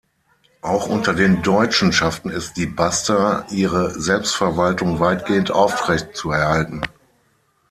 Auch unter den Deutschen schafften es die Baster, ihre Selbstverwaltung weitgehend aufrechtzuerhalten.